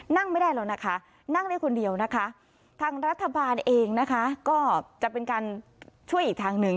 นั่งไม่ได้แล้วนะคะนั่งได้คนเดียวนะคะทางรัฐบาลเองนะคะก็จะเป็นการช่วยอีกทางหนึ่ง